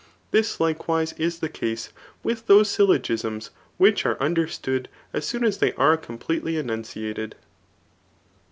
This liMwise is the case with those 8ylk>gi8ms which are un derstood as soon as they are completely enunciated.